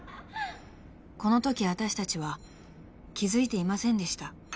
［このときわたしたちは気付いていませんでした］